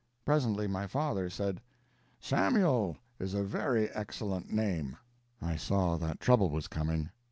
Presently my father said: "Samuel is a very excellent name." I saw that trouble was coming.